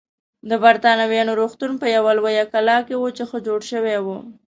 د بریتانویانو روغتون په یوه لویه کلا کې و چې ښه جوړه شوې وه.